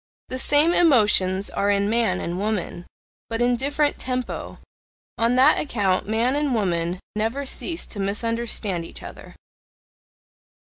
The same emotions are in man and woman, but in different TEMPO, on that account man and woman never cease to misunderstand each other.